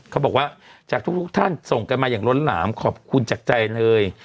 เขาบอกว่าจากทุกท่านส่งกันมาอย่างล้นหลามขอบคุณจากใจเลย